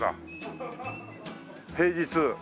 平日。